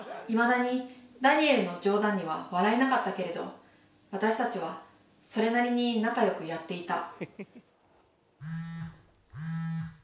いまだにダニエルの冗談には笑えなかったけれど私たちはそれなりに仲良くやっていた。